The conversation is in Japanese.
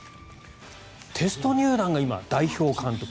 テスト入団が今、代表監督。